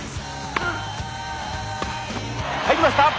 入りました！